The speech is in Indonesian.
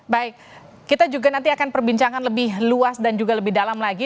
baik kita juga nanti akan perbincangan lebih luas dan juga lebih dalam lagi